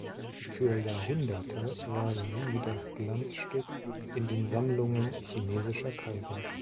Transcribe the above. Für Jahrhunderte war sie das Glanzstück in den Sammlungen chinesischer Kaiser.